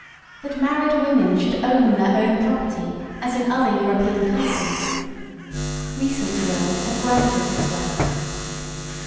That married women should own their own property as in other European countries. Recent laws have granted this right.